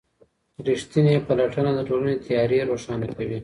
ریښتینې پلټنه د ټولني تیارې روښانه کوي.